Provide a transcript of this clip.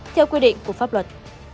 theo quy định của pháp luật